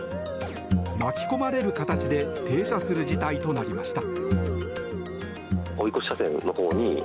巻き込まれる形で停車する事態となりました。